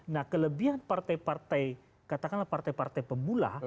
nah kelebihan partai partai katakanlah partai partai pemula